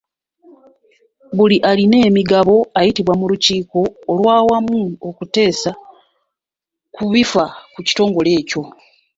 Buli alina emigabo ayitibwa mu lukiiko olw'awamu okuteesa ku bifa ku kitongole ekyo.